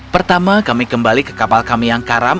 pertama kami kembali ke kapal kami yang karam